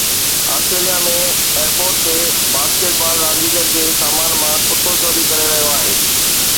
Australia ۾ airport تي basketball رانديگر جي سامان مان ڪتو چوري ڪري رهيو آهي